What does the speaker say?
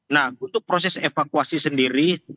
nah untuk proses evakuasi sendiri